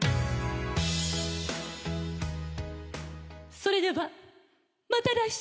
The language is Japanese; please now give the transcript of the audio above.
それではまた来週。